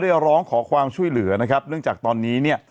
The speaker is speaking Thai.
ได้ร้องขอความช่วยเหลือนะครับเนื่องจากตอนนี้เนี่ย